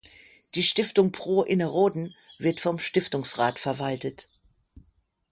Die Stiftung Pro Innerrhoden wird vom Stiftungsrat verwaltet.